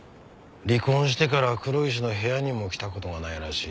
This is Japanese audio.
離婚してから黒石の部屋にも来た事がないらしい。